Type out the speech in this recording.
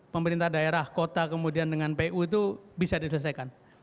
pemerintah daerah kota kemudian dengan pu itu bisa diselesaikan